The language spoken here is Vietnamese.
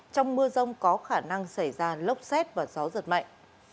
trong mưa rông có khả năng xảy ra lốc xét và gió giật mạnh